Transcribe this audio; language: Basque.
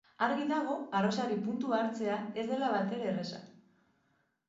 Argi dago arrozari puntua hartzea ez dela batere erreza.